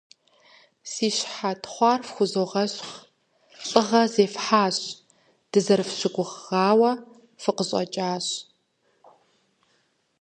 Си щхьэ тхъуар фхузогъэщхъ, лӀыгъэ зефхьащ, дызэрыфщыгугъауэ фыкъыщӀэкӀащ!